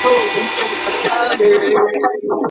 که کرنیز ماشین الات ډیر سي، نو د بزګرانو کار نه ستونزمن کیږي.